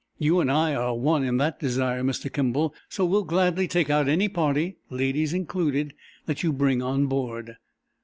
You and I are one in that desire, Mr. Kimball, so we'll gladly take out any party, ladies included, that you bring on board."